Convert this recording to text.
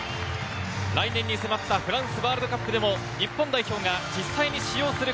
来年に迫ったフランスワールドカップでも日本代表が実際に使用する